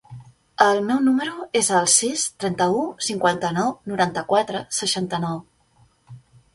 El meu número es el sis, trenta-u, cinquanta-nou, noranta-quatre, seixanta-nou.